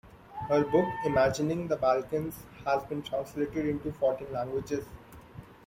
Her book "Imagining the Balkans" has been translated into fourteen languages.